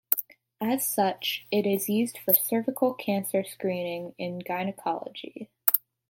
As such, it is used for cervical cancer screening in gynecology.